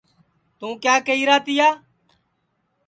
توں کیا کئیرا تیا